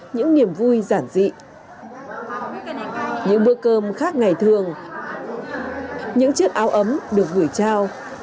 những niềm vui giản dị những bữa cơm khác ngày thường những chiếc áo ấm được gửi trao